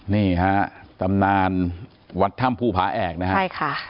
นี่ฮะตำนานวัดถ้ำภูผาแอกนะฮะใช่ค่ะ